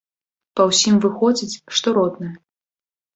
Па ўсім выходзіць, што родная.